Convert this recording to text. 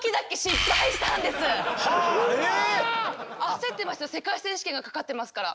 焦ってますよ世界選手権がかかってますから。